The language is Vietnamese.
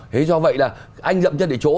thế do vậy là anh dẫm chân tại chỗ